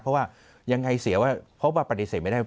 เพราะว่ายังไงเสียว่าเพราะว่าปฏิเสธไม่ได้